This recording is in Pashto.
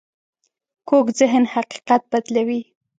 کوږ ذهن حقیقت بدلوي